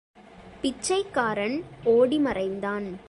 பிச்சைக்காரன் ஒடி மறைந்தான்.